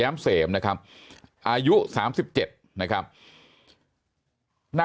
มีความรู้สึกว่า